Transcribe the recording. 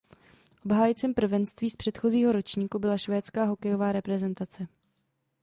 Obhájcem prvenství z předchozího ročníku byla švédská hokejová reprezentace.